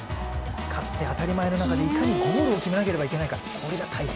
勝って当たり前の中で、いかにゴールを決めるかこれが大変。